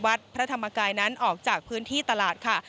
วัดพระธรรมกายนั้นออกจากพื้นที่ตลาดค่ะ